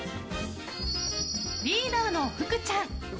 リーダーの福ちゃん。